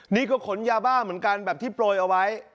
นี่ก็ขนยาบ้าเหมือนกันแบบที่โปรยเอาไว้